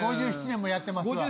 ５７年もやってますわ。